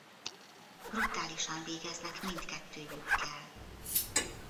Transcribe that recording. Brutálisan végeznek mindkettőjükkel.